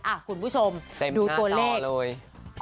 อ่ะคุณผู้ชมดูตัวเลข